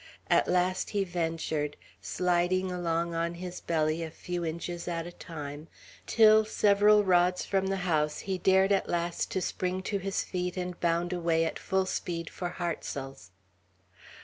At last he ventured, sliding along on his belly a few inches at a time, till, several rods from the house, he dared at last to spring to his feet and bound away at full speed for Hartsel's.